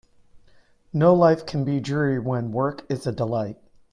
No life can be dreary when work is a delight.